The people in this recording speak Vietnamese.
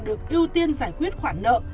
được ưu tiên giải quyết khoản nợ